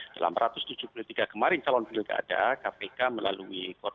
dalam satu ratus tujuh puluh tiga kemarin calon pilkada kpk melalui koordinasi